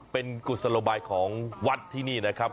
เป็นกุศโลบายของวัดที่นี่นะครับ